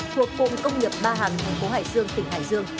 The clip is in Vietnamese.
thuộc cụm công nghiệp ba hằng thành phố hải dương tỉnh hải dương